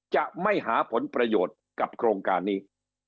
จะไม่หาผลประโยชน์กับโครงการนี้